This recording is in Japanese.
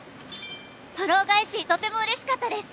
「フォロー返しとても嬉しかったです！